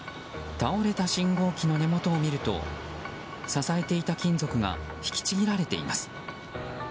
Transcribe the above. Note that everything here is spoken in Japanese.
倒れた信号機の根元を見ると支えていた金属が引きちぎられています。